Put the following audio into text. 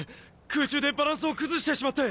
空中でバランスを崩してしまって！